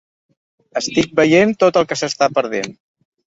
Estic veient tot el que s’està perdent.